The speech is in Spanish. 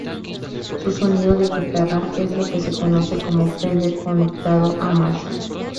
Su sonido de guitarra es lo que se conoce como "Fender conectado a Marshall".